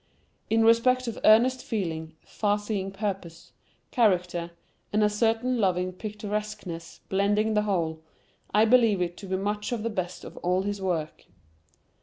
In respect of earnest feeling, far seeing purpose, character, incident, and a certain loving picturesqueness blending the whole, I believe it to be much the best of all his works.